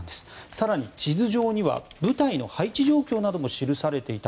更に、地図上には部隊の配置状況なども記されていた。